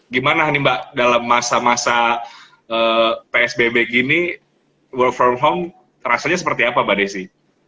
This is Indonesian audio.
gimana nih mbak dalam masa masa psbb gini work from home rasanya seperti apa mbak desy